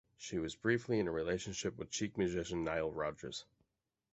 She was briefly in a relationship with Chic musician Nile Rodgers.